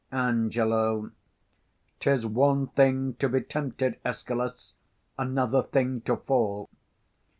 Ang. 'Tis one thing to be tempted, Escalus, Another thing to fall.